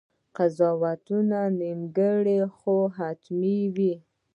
قضاوتونه نیمګړي خو حتماً وي.